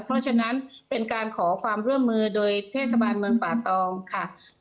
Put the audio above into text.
เพราะฉะนั้นเป็นการขอความร่วมมือโดยเทศบาลเมืองป่าตองค่ะ